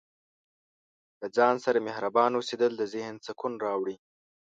د ځان سره مهربانه اوسیدل د ذهن سکون راوړي.